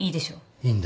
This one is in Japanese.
いいんだ。